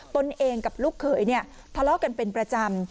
ตนเองกับลูกเขยเนี่ยทะเลาะกันเป็นประจำ